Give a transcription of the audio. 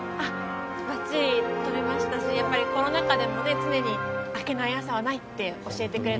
ばっちり撮れましたしコロナ禍でも常に明けない朝はないって教えてくれた